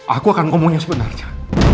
aku akan ngomong yang sebenarnya